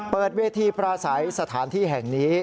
เปิดเวทีปราศัยสถานที่แห่งนี้